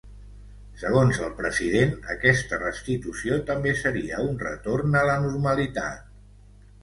Segons el president, aquesta restitució també seria un ‘retorn a la normalitat’.